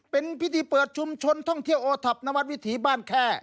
เป็นพิธีเปิดชุมชนท่องเที่ยวโอท็อปนวัดวิถีบ้านแค่